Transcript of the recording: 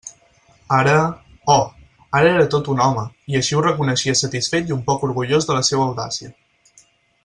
Ara..., oh!, ara era tot un home, i així ho reconeixia satisfet i un poc orgullós de la seua audàcia.